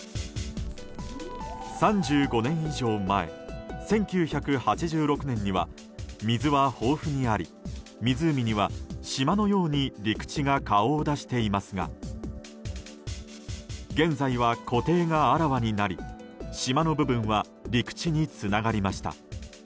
３５年以上前１９８６年には水は豊富にあり湖には島のように陸地が顔を出していますが現在は湖底があらわになり島の部分は陸地につながりました。